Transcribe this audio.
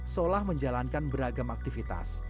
solah menjalankan beragam aktivitas